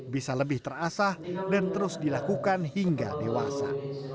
bisa lebih terasah dan terus dilakukan hingga dewasa